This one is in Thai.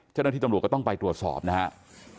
เจ้าหน้าที่ตำรวจก็ต้องไปตรวจสอบนะครับ